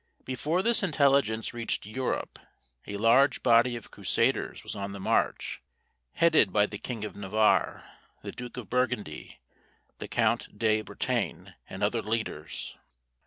Before this intelligence reached Europe a large body of Crusaders was on the march, headed by the king of Navarre, the Duke of Burgundy, the Count de Bretagne, and other leaders.